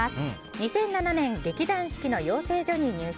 ２００７年劇団四季の養成所に入所。